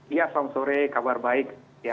iya selamat sore kabar baik